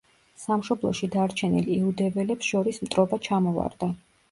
სამშობლოში დარჩენილ იუდეველებს შორის მტრობა ჩამოვარდა.